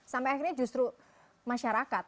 sampai akhirnya justru masyarakat